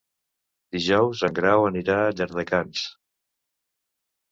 Dijous en Grau anirà a Llardecans.